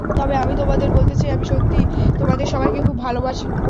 তবে আমি তোমাদের বলতে চাই আমি সত্যিই তোমাদের সবাইকে খুব ভালোবাসি।